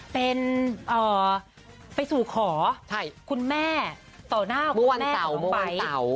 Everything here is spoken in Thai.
เป็นเอ่อไปสู่ขอใช่คุณแม่ต่อหน้ามุมวันเต๋ามุมวันเต๋า